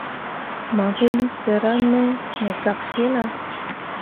Mayuulii sera me me gak cillah.